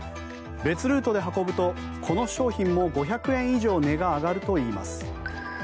別ルートで運ぶと、この商品も５００円以上値が上がるといいます。